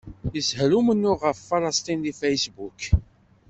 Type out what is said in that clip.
Yeshel umennuɣ ɣef Falesṭin deg Facebook.